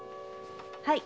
はい。